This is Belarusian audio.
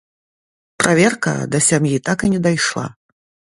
Праверка да сям'і так і не дайшла.